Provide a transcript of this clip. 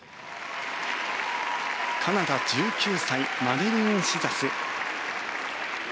カナダ、１９歳マデリーン・シザス。